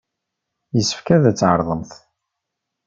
Yessefk ad tɛerḍemt!